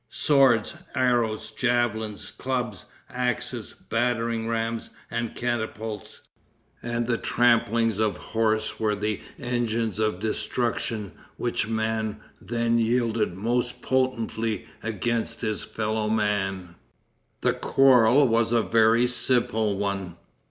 Swords, arrows, javelins, clubs, axes, battering rams and catapults, and the tramplings of horse were the engines of destruction which man then wielded most potently against his fellow man. The quarrel was a very simple one.